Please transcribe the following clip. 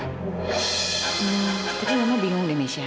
hmm tapi mama bingung deh misha